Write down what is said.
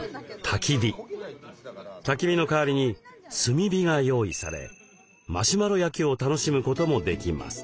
たき火の代わりに炭火が用意されマシュマロ焼きを楽しむこともできます。